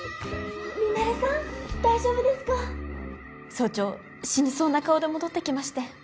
早朝死にそうな顔で戻ってきまして。